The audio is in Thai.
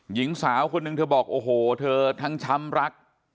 หญิงสาวคนนึงเธอบอกโอ้โหเธอทั้งช้ำรัก